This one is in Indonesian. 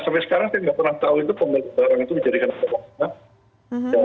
sampai sekarang kita tidak pernah tahu itu pemilik barang itu menjadikan apa apa